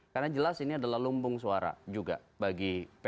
karena jelas ini adalah lumbung suara juga bagi banten